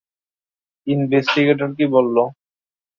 Investigator কী বলল?